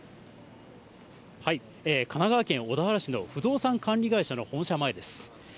神奈川県小田原市の不動産管理会社の本社前です。